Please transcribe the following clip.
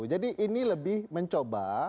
jadi ini lebih mencoba